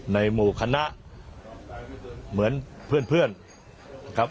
ในหมู่คณะเหมือนเพื่อนนะครับ